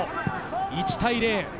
１対０。